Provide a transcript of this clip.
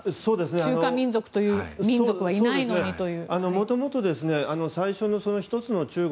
中華民族という民族はいないのにという。